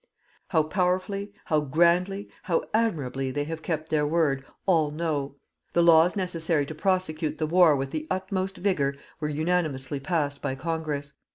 How powerfully, how grandly, how admirably they have kept their word, all know. The laws necessary to prosecute the war with the utmost vigour were unanimously passed by Congress.